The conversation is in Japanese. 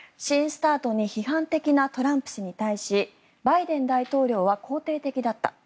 新ＳＴＡＲＴに批判的なトランプ氏に対しバイデン大統領は肯定的だった。